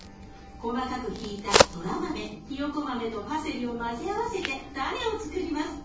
細かくひいたそら豆ひよこ豆とパセリを混ぜ合わせてタネをつくります。